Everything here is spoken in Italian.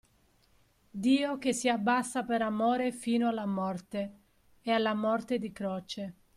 Dio che si abbassa per amore fino alla morte, e alla morte di croce.